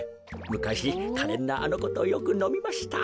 むかしかれんなあのことよくのみました。